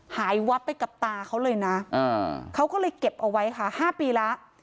วับไปกับตาเขาเลยนะเขาก็เลยเก็บเอาไว้ค่ะ๕ปีแล้ว